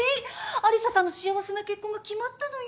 有沙さんの幸せな結婚が決まったのよ？